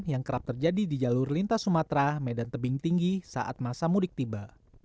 yang kerap terjadi di jalur lintas sumatera medan tebing tinggi saat masa mudik tiba